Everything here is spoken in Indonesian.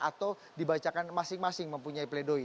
atau dibacakan masing masing mempunyai pledoi